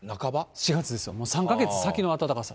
４月ですよ、もう３か月先の暖かさ。